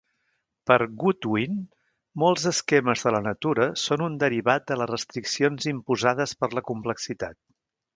Per Goodwin, molts esquemes de la natura són un derivat de les restriccions imposades per la complexitat.